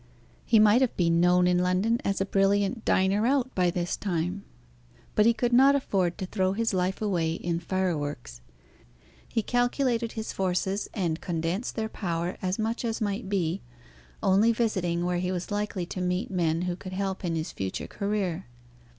He might have been known in London as a brilliant diner out by this time; but he could not afford to throw his life away in fireworks; he calculated his forces, and condensed their power as much as might be, only visiting where he was likely to meet men who could help in his future career.